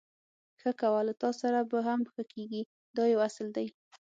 ښه کوه له تاسره به هم ښه کېږي دا یو اصل دی.